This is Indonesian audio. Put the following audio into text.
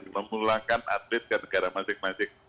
memulangkan atlet ke negara masing masing